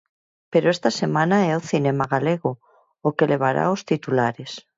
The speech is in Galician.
Pero esta semana é o cinema galego o que levará os titulares.